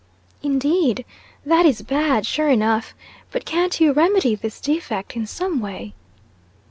"Indeed! That is bad, sure enough. But can't you remedy this defect in some way?"